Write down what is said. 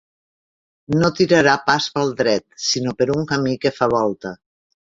No tirarà pas pel dret sinó per un camí que fa volta.